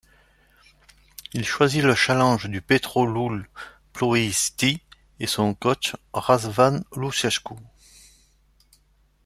Il choisit le challenge du Petrolul Ploiești et son coach Răzvan Lucescu.